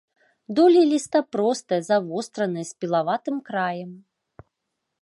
Долі ліста простыя, завостраныя, з пілаватым краем.